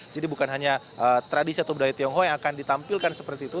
jadi bukan hanya tradisi atau budaya tionghoa yang akan ditampilkan seperti itu